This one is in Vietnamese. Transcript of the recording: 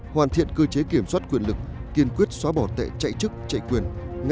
hoàn thiện cơ chế kiểm soát quyền lực kiên quyết xóa bỏ tệ chạy chức chạy quyền